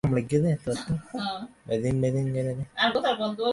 জাপানের কাছ থেকে আমাদের অনেক কিছু শিখতে হবে, এ-কথা তুমি ঠিকই বলেছ।